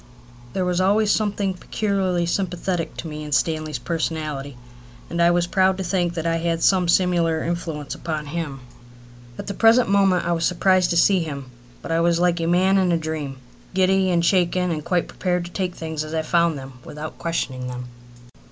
There was always something peculiarly sympathetic to me in Stanley's personality; and I was proud to think that I had some similar influence upon him. At the present moment I was surprised to see him, but I was like a man in a dream, giddy and shaken and quite prepared to take things as I found them without questioning them.